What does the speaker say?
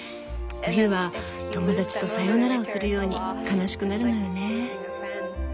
冬は友達とサヨナラをするように悲しくなるのよね。